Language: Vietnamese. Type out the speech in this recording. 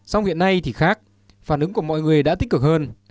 song hiện nay thì khác phản ứng của mọi người đã tích cực hơn